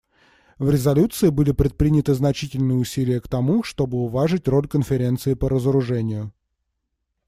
В резолюции были предприняты значительные усилия к тому, чтобы уважить роль Конференции по разоружению.